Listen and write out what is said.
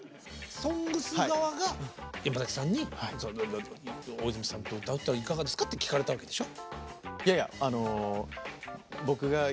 「ＳＯＮＧＳ」側が山崎さんに大泉さんと歌うっていかがですか？って聞かれたわけでしょ？